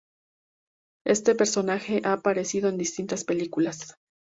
Este personaje ha aparecido en distintas películas.